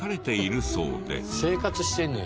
生活してんねや。